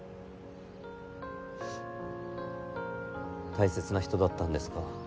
大切な人だったんですか？